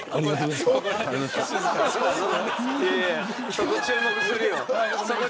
そこ、注目するよ。